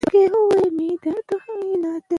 پۀ مراقبه زما درې تفصيلی پوسټونه شته